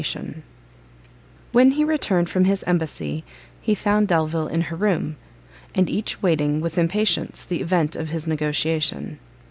When he returned from his embassy, he found Delvile in her room, and each waiting with impatience the event of his negociation.